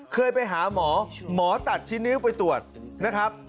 เคยไปหาหมอหมอตัดชิ้นนิ้วไปตรวจนะครับ